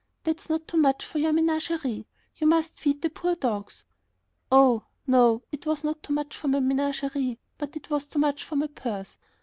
"That's not too much for your menagerie. You must feed the poor dogs." Oh, no, it was not too much for my menagerie, but it was too much for my purse.